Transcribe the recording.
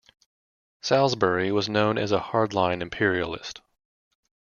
Salisbury was known as a hardline imperialist.